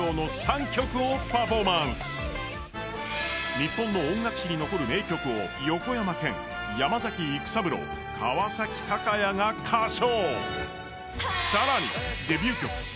日本の音楽史に残る名曲を横山剣、山崎育三郎、川崎鷹也が歌唱。